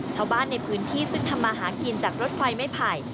ชาวบ้านในพื้นที่ซึ่งทำมาหากินจากรถไฟไม่ไผ่